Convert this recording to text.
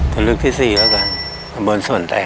ตัวเลือกที่สี่แล้วกัน